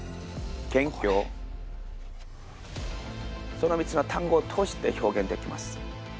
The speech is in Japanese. その３つの単語を通して表現できます。